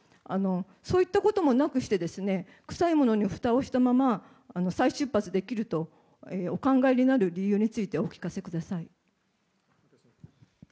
そういったこともなくして臭いものにふたをしたまま再出発できるとお考えになる理由についてお聞かせください。